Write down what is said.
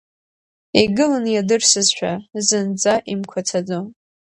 Игылан иадырсызшәа зынӡа имқәацаӡо.